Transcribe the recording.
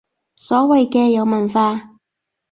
所謂嘅有文化